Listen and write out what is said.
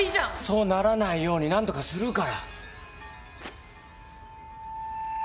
そうならないように何とかするから。